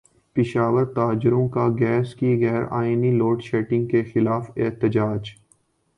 پشاور تاجروں کا گیس کی غیر اعلانیہ لوڈشیڈنگ کیخلاف احتجاج